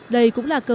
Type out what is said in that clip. đây cũng là cơ hội